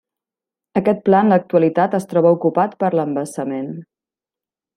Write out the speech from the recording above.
Aquest pla en l'actualitat es troba ocupat per l'embassament.